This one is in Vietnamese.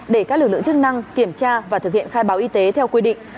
để các lực lượng chức năng kiểm tra và thực hiện khai báo y tế theo quy định